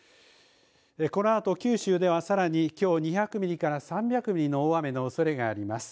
このあと、九州ではさらに、きょう２００ミリから３００ミリの大雨のおそれがあります。